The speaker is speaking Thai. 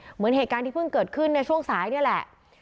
เหมือนเหตุการณ์ที่เพิ่งเกิดขึ้นในช่วงสายนี่แหละ